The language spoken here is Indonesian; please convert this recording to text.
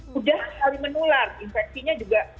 sudah selalu menular infeksinya juga